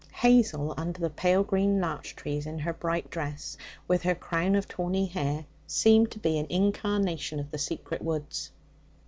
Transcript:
Hazel, under the pale green larch trees, in her bright dress, with her crown of tawny hair, seemed to be an incarnation of the secret woods.